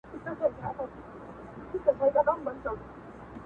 تصادف وګوره! مخکي له دې چې